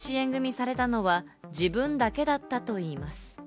養子縁組されたのは自分だけだったといいます。